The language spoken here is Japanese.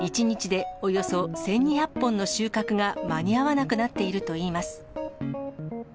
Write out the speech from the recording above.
１日でおよそ１２００本の収穫が間に合わなくなっているといいます。